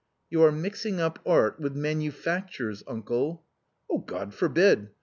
" You are mixing up art with manufactures, uncle/' " God forbid !